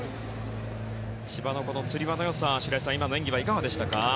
千葉のつり輪の良さ白井さん、今の演技いかがでしたか？